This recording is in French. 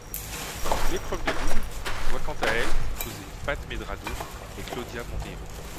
L'épreuve de double voit quant à elle s'imposer Pat Medrado et Cláudia Monteiro.